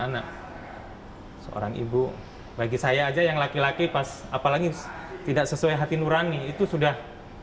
anak seorang ibu bagi saya aja yang laki laki pas apalagi tidak sesuai hati nurani itu sudah